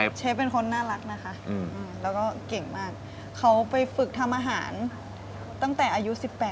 เชฟเป็นคนน่ารักนะคะแล้วก็เก่งมากเขาไปฝึกทำอาหารตั้งแต่อายุ๑๘